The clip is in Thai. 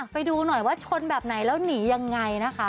ไปดูหน่อยว่าชนแบบไหนแล้วหนียังไงนะคะ